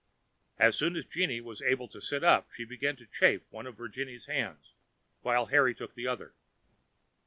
As soon as Jeanne was able to sit up she began to chafe one of Virginie's hands, while Harry took the other.